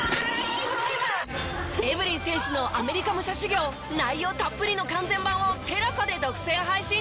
エブリン選手のアメリカ武者修行内容たっぷりの完全版をＴＥＬＡＳＡで独占配信中！